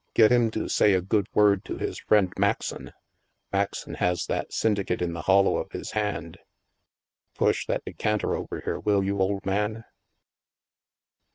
Get him to say a good word to his friend, Maxon. Maxon has that syndicate in the hollow of his hand. Push that de canter over here, will you, old man